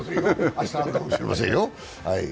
明日あるかもしれませんよ。